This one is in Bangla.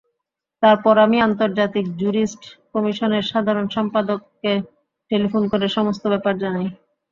তারপর আমি আন্তর্জাতিক জুরিস্ট কমিশনের সাধারণ সম্পাদককে টেলিফোন করে সমস্ত ব্যাপার জানাই।